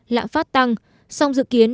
lãm phát tăng song dự kiến